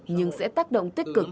nhưng sẽ tác động tích cực